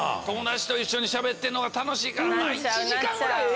友達と一緒にしゃべってるのが楽しいから。